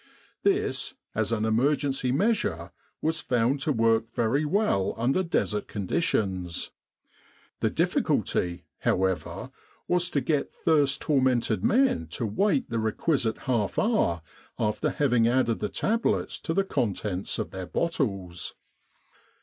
This, as an emergency measure, was found to work very well under Desert conditions. The difficulty, however, was to get thirst tormented men to wait the requisite half hour after having added the tablets to the contents of their bottles.